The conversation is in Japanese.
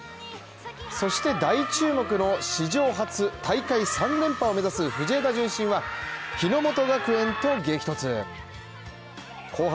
そして大注目の史上初、大会３連覇を目指す藤枝順心は日ノ本学園と激突。